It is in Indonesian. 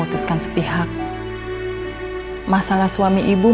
ingat mungkin saja anak rumah saya tomar hati ter her